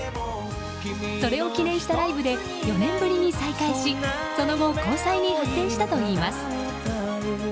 それを記念したライブで４年ぶりに再会しその後、交際に発展したといいます。